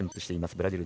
ブラジル